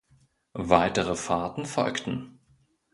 Weitere Fahrten folgten.